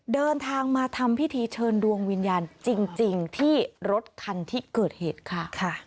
เดินทางมาทำพิธีเชิญดวงวิญญาณจริงที่รถคันที่เกิดเหตุค่ะ